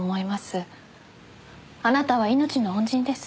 あなたは命の恩人です。